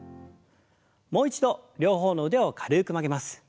もう一度両方の腕を軽く曲げます。